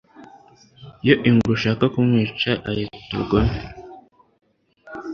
iyo ingwe ishaka kumwica ayita ubugome